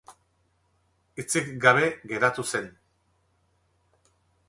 Hitzik gabe geratu zen.